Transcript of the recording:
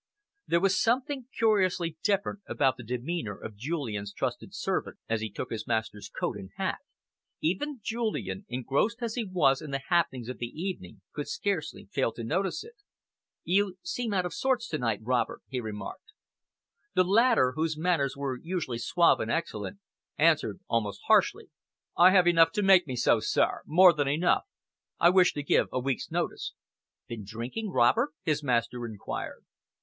There was something curiously different about the demeanour of Julian's trusted servant, as he took his master's coat and hat. Even Julian, engrossed as he was in the happenings of the evening, could scarcely fail to notice it. "You seem out of sorts to night, Robert!" he remarked. The latter, whose manners were usually suave and excellent, answered almost harshly. "I have enough to make me so, sir more than enough. I wish to give a week's notice." "Been drinking, Robert?" his master enquired.